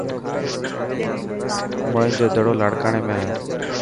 موهن جو دڙو لاڻڪاڻي ۾ هي.